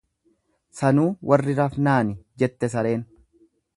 """Sanuu warri rafnaani"" jette sareen."